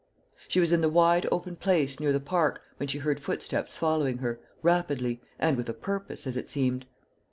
She was in the wide open place near the park, when she heard footsteps following her, rapidly, and with a purpose, as it seemed.